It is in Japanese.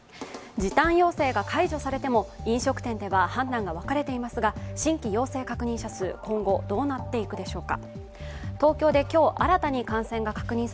時短要請が解除されても飲食店では判断が分かれていますが、新規陽性確認者数、今後どうなっていくでしょうか。